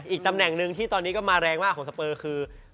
อีกตำแหน่งหนึ่งที่ตอนนี้ก็มาแรงมากของสเปอร์คือ